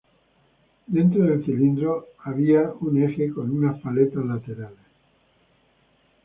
Dentro del cilindro había un eje con unas paletas laterales.